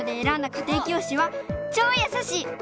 家庭教師はちょうやさしい！